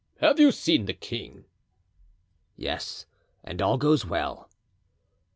Have you seen the king?" "Yes, and all goes well."